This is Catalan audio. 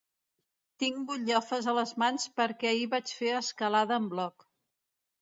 Tinc butllofes a les mans perquè ahir vaig fer escalada en bloc.